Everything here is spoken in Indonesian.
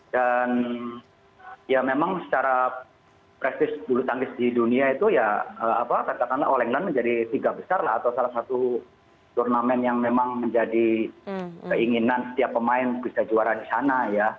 dan ya memang secara presis bulu tangis di dunia itu ya apa katakanlah all england menjadi tiga besar lah atau salah satu turnamen yang memang menjadi keinginan setiap pemain bisa juara di sana ya